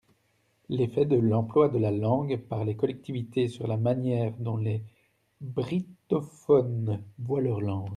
L’effet de l’emploi de la langue par les collectivités sur la manière dont les brittophones voient leur langue.